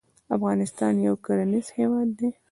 افغانستان یو کرنیز هیواد دی